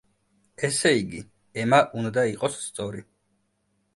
ესე იგი, ემა უნდა იყოს სწორი.